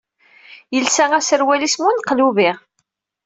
Yelsa aserwal-is muneqlubi.